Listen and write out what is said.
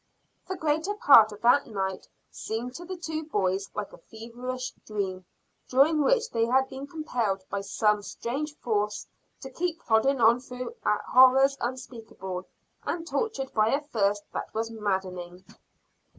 The greater part of that night seemed to the two boys like a feverish dream, during which they had been compelled by some strange force to keep plodding on through horrors unspeakable, and tortured by a thirst that was maddening.